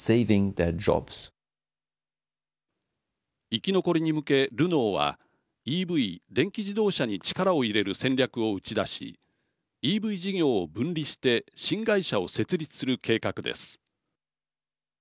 生き残りに向け、ルノーはＥＶ、電気自動車に力を入れる戦略を打ち出しＥＶ事業を分離して新会社を設立する計画です。